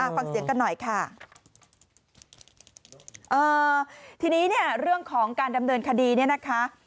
ฟังเสียงกันหน่อยค่ะเอ่อทีนี้เนี่ยเรื่องของการดำเนินคดีเนี่ยนะคะ